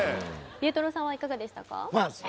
ピエトロさんはいかがでしたか？